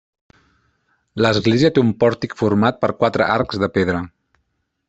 L'església té un pòrtic format per quatre arcs de pedra.